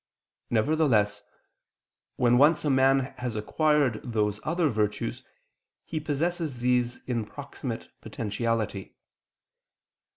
Nevertheless, when once a man has acquired those other virtues he possesses these in proximate potentiality.